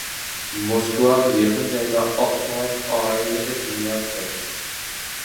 موسكۋاغا يېقىن جايدا ئاقسۆڭەك ئائىلىدە دۇنياغا كەلگەن.